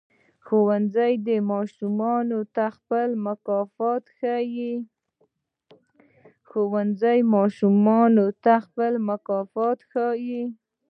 ښوونځی ماشومانو ته خپل مکلفیتونه ښيي.